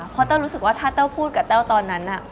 เพราะแต้วรู้สึกว่าถ้าแต้วพูดกับแต้วตอนนั้น